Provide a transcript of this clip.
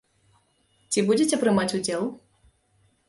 Ці будзеце прымаць удзел?